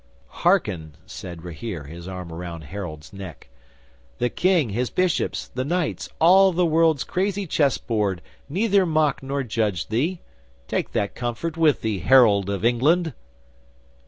'"Hearken," said Rahere, his arm round Harold's neck. "The King his bishops the knights all the world's crazy chessboard neither mock nor judge thee. Take that comfort with thee, Harold of England!"